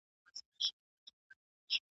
چي په زور ورته راغلی خپل یې سر پکښي خوړلی